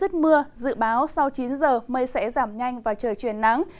tuyết mưa dự báo sau chín giờ mây sẽ giảm nhanh và trời chuyển nắng